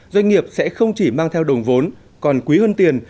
doanh nghiệp sẽ không chỉ mang theo đồng vốn còn quý hơn tiền